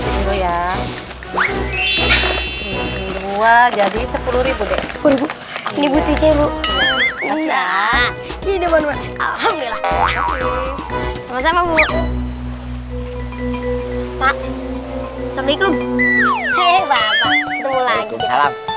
ini bu cikgu udah hidup alhamdulillah sama sama bu pak assalamualaikum hehehe bapak ketemu lagi